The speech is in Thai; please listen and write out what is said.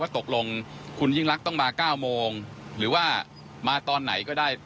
ตกลงคุณยิ่งรักต้องมา๙โมงหรือว่ามาตอนไหนก็ได้